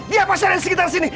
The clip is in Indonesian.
di apa syarik sekitar sini